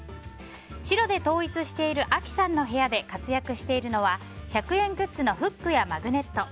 白で統一しているａｋｉさんの部屋で活躍しているのは１００円グッズのフックやマグネット。